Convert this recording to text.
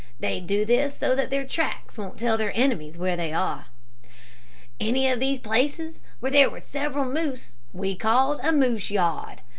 They do this so that their tracks won't tell their enemies where they are. "Any of these places where there were several moose we called a moose yard.